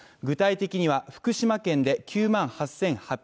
具体的には、福島県で９万８，８００戸